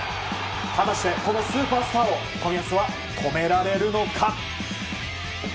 果たして、このスーパースターを冨安は止められるのか。